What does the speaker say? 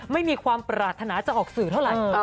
ไม่มีความปรารถนาจะออกสื่อเท่าไหร่